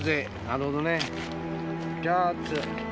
なるほどね。